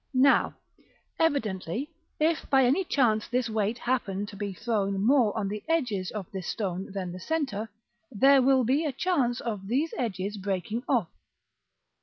Now, evidently, if by any chance this weight happen to be thrown more on the edges of this stone than the centre, there will be a chance of these edges breaking off.